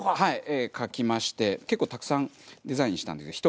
絵描きまして結構たくさんデザインしたんです